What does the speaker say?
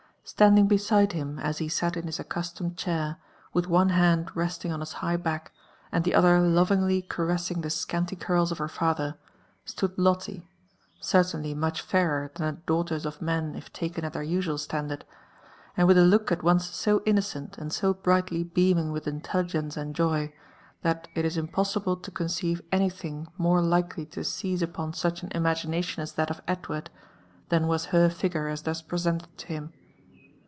Standing beside him as he sat in his accustomed chair, with one hand resting on its high back, and the other lovingly caressing the scanty curls of her father, s4ood Lotte, certainly much fairer than the daughters of man if taken at their usual standard, and with a look at once so innocent and so brightly beaming with intel ligence and joy, that it is impossible to conceive anything more likely to seize upon such an imagination as that of Edward, than was her figure as thus presented to him.